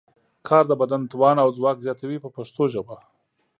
کار د بدن توان او ځواک زیاتوي په پښتو ژبه.